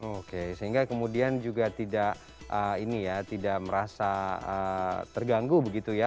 oke sehingga kemudian juga tidak ini ya tidak merasa terganggu begitu ya